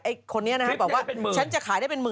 ไอ้คนนี้นะครับเขาบอกว่าคนนั้นขายได้เป็นหมื่น